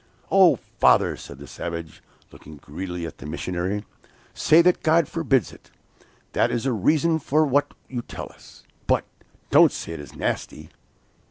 'Oh, father,' said the savage, looking greedily at the missionary, 'say that God forbids it! That is a reason for what you tell us. But don't say it is nasty!